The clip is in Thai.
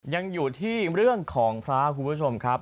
ยังอยู่ที่เรื่องของพระคุณผู้ชมครับ